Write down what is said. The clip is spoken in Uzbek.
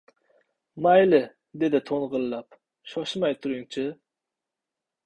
— Mayli, — dedi to‘ng‘illab. — Shoshmay turing chi.